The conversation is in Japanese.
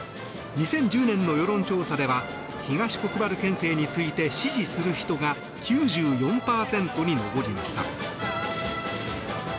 ２０１０年の世論調査では東国原県政について支持する人が９４％に上りました。